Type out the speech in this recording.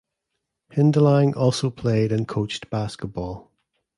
Hindelang also played and coached basketball.